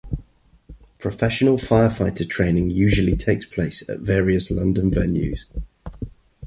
Professional firefighter training usually takes place at various London venues.